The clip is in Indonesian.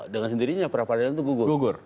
dengan sendirinya peradilan itu gugur